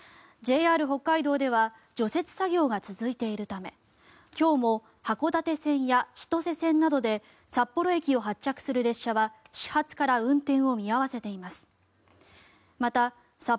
ＪＲ北海道では除雪作業が続いているため今日も函館線や千歳線などで札幌駅を発着する列車は始発から運転を見合わせています。